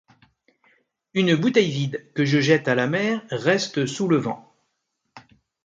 Une bouteille vide que je jette à la mer reste sous le vent.